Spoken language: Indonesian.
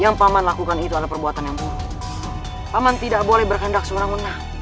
yang paman lakukan itu ada perbuatan yang paman tidak boleh berkendak seorang menang